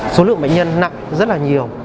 số lượng bệnh nhân nặng rất là nhiều